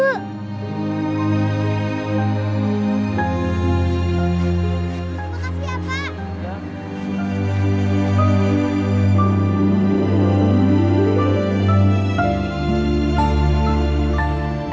makasih ya pak